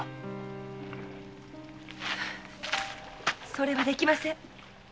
それはできません。